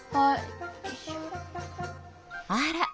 あら。